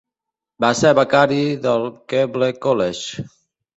Va ser becari del Keble College.